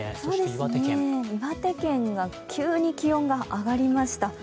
岩手県が急に気温が上がりました。